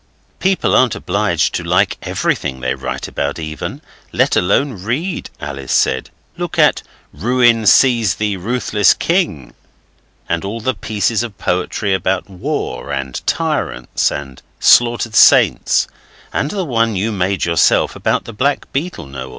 'People aren't obliged to like everything they write about even, let alone read,' Alice said. 'Look at "Ruin seize thee, ruthless king!" and all the pieces of poetry about war, and tyrants, and slaughtered saints and the one you made yourself about the black beetle, Noel.